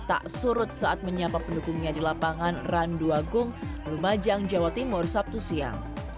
tak surut saat menyapa pendukungnya di lapangan ran dua gung rumah jang jawa timur sabtu siang